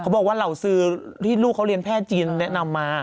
บอกว่าเหล่าสื่อที่ลูกเขาเรียนแพทย์จีนแนะนำมา